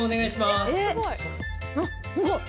すごい。